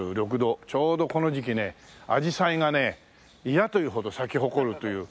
ちょうどこの時期ねアジサイがね嫌というほど咲き誇るという。